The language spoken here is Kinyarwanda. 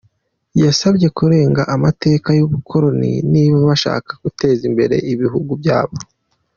Yabasabye kurenga amateka y’ubukoloni niba bashaka guteza imbere ibihugu byabo.